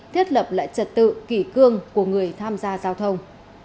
thiết lập lại trật tự kỷ cương của người tham gia giao thông